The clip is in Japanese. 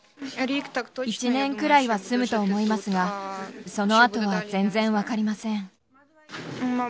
１年くらいは住むと思いますが、そのあとは全然分かりません。